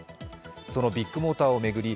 そのビッグモーターを巡り